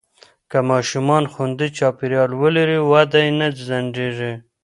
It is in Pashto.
که ماشومان خوندي چاپېریال ولري، وده یې نه ځنډېږي.